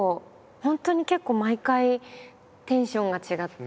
本当に結構毎回テンションが違って。